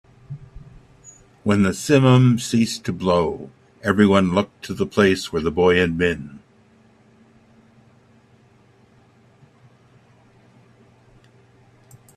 When the simum ceased to blow, everyone looked to the place where the boy had been.